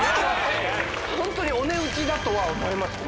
ホントにお値打ちだとは思います